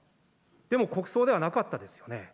でも、国葬ではなかったですよね。